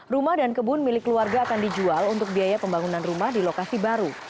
rumah dan kebun milik keluarga akan dijual untuk biaya pembangunan rumah di lokasi baru